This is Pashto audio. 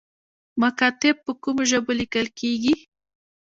مکاتیب په کومو ژبو لیکل کیږي؟